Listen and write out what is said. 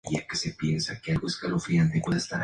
Así procede a leer su historia.